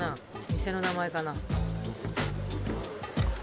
店の名前かな。